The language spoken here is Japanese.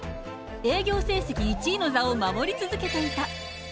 営業成績１位の座を守り続けていた。